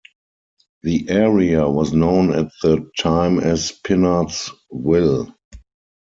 The area was known at the time as Pinards Ville.